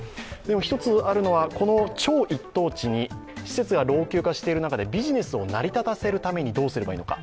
一つあるのは、この超一等地に施設が老朽化している中でビジネスを成り立たせるためにどうしたらいいのか。